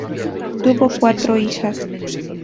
Tuvo cuatro hijas.